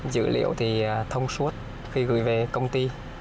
dữ liệu thì thông suốt khi gửi về công ty